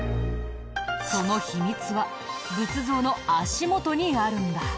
その秘密は仏像の足元にあるんだ。